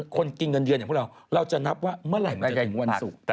คนกินเงินเดือนอย่างพวกเราเราจะนับว่าเมื่อไหร่มันจะถึงวันศุกร์